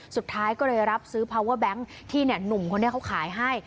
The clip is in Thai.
สุดท้ายก็เลยรับซื้อพาวเวอร์แบงค์ที่หนุ่มคนนี้เขาขายให้